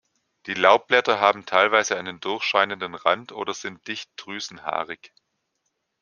Die Laubblätter haben teilweise einen durchscheinenden Rand oder sind dicht drüsenhaarig.